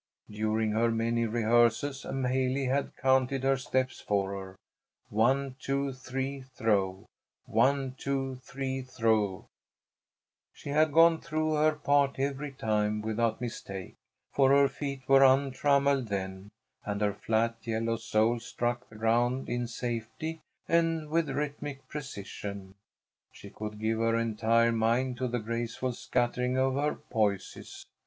During her many rehearsals M'haley had counted her steps for her: "One, two, three throw! One, two, three throw!" She had gone through her part every time without mistake, for her feet were untrammelled then, and her flat yellow soles struck the ground in safety and with rhythmic precision. She could give her entire mind to the graceful scattering of her posies.